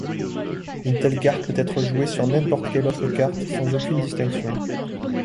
Une telle carte peut être jouée sur n'importe quelle autre carte sans aucune distinction.